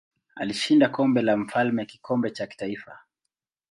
Alishinda Kombe la Mfalme kikombe cha kitaifa.